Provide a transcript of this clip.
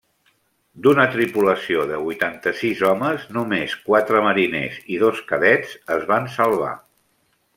D'una tripulació de vuitanta-sis homes només quatre mariners i dos cadets es van salvar.